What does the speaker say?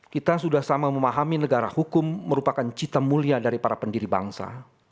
kita sudah sama memahami negara hukum merupakan cita mulia dari para pendiri bangsa